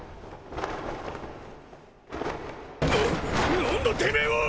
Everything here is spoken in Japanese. な何だてめえは！？